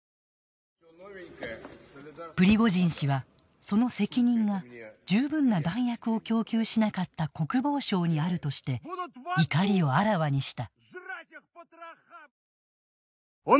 プリゴジン氏は、その責任が十分な弾薬を供給しなかった国防省にあるとして怒りをあらわにした。